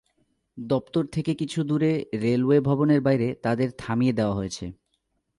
দপ্তর থেকে কিছু দূরে রেলওয়ে ভবনের বাইরে তাঁদের থামিয়ে দেওয়া হয়েছে।